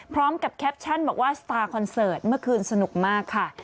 แคปชั่นบอกว่าสตาร์คอนเสิร์ตเมื่อคืนสนุกมากค่ะ